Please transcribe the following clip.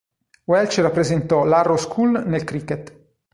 Welch rappresentò l'Harrow School nel cricket.